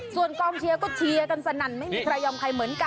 ส่วนกองเชียร์ก็เชียร์กันสนั่นไม่มีใครยอมใครเหมือนกัน